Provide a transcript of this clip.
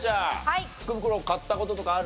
福袋買った事とかある？